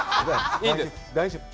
大丈夫。